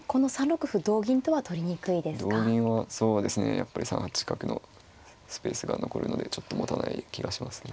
やっぱり３八角のスペースが残るのでちょっともたない気がしますね。